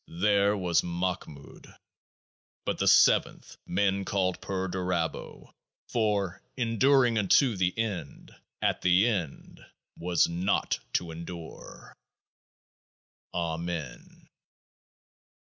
7 There was Mahmud. But the Seventh men called PERDURABO ; for enduring unto The End, at The End was Naught to endure. 8 Amen.